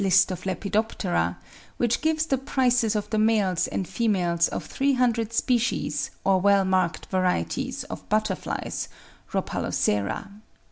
list of Lepidoptera, which gives the prices of the males and females of 300 species or well marked varieties of butterflies (Rhopalocera).